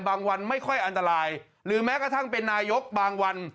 วันไม่ค่อยอันตรายหรือแม้กระทั่งเป็นนายกบางวัน